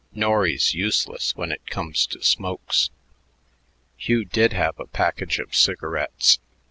Norry's useless when it comes to smokes." Hugh did have a package of cigarettes.